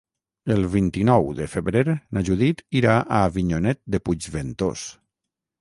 El vint-i-nou de febrer na Judit irà a Avinyonet de Puigventós.